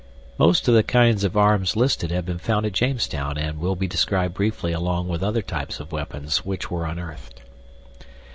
Most of the kinds of arms listed have been found at Jamestown and will be described briefly along with other types of weapons which were unearthed.